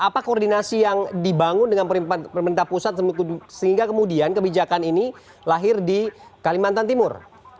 apa koordinasi yang dibangun dengan pemerintah pusat sehingga kemudian kebijakan ini lahir di kalimantan timur